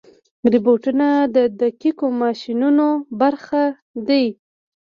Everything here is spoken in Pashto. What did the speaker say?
روبوټونه د دقیقو ماشینونو برخه دي.